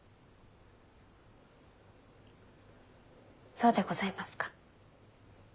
そうでございますか。